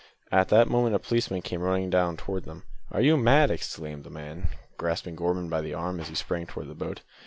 At that moment a policeman came running down towards them. "Are you mad?" exclaimed the man, grasping Gorman by the arm as he sprang toward the boat.